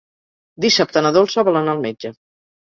Dissabte na Dolça vol anar al metge.